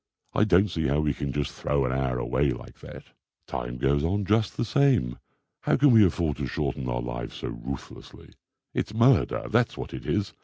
I don't see how we can just throw an hour away like that. Time goes on just the same. How can we afford to shorten our lives so ruthlessly? It's murder, that's what it is!